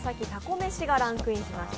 めしがランクインしました。